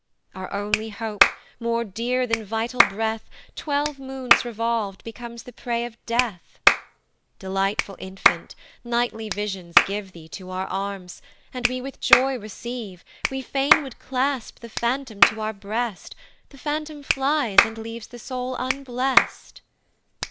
"Our only hope, more dear than vital breath, "Twelve moons revolv'd, becomes the prey of death; "Delightful infant, nightly visions give "Thee to our arms, and we with joy receive, "We fain would clasp the Phantom to our breast, "The Phantom flies, and leaves the soul unblest."